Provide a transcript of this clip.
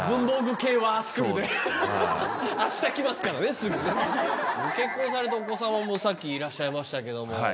ＡＳＫＵＬで⁉結婚されてお子さんもさっきいらっしゃいましたけど。